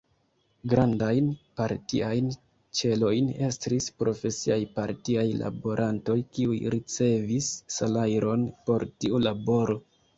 Grandajn partiajn ĉelojn estris profesiaj partiaj laborantoj, kiuj ricevis salajron por tiu laboro.